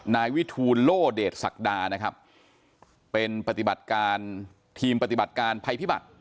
นายวิทูลโล่เดชศักดานะครับเป็นปฏิบัติการทีมปฏิบัติการภัยพิบัติ